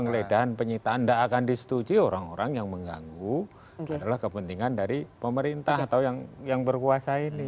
penggeledahan penyitaan tidak akan disetujui orang orang yang mengganggu adalah kepentingan dari pemerintah atau yang berkuasa ini